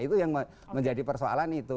itu yang menjadi persoalan itu